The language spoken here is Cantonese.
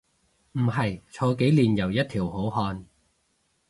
唔係，坐幾年又一條好漢